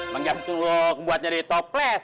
mengganti lo buatnya dari toples